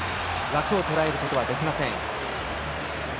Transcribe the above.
枠をとらえることができません。